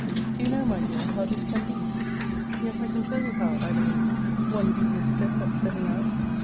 Do you know, my dear, how this can be? Yet I can tell you how, I believe one devious step at setting out!